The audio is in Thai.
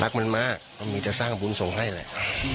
รักมันมากมันจะสร้างบุญส่งให้เลย